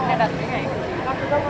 thế là họ trở về là trở về bên yên phủ ạ